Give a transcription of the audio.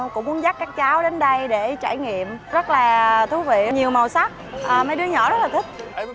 cũng muốn dắt các cháu đến đây để trải nghiệm rất là thú vị nhiều màu sắc mấy đứa nhỏ rất là thích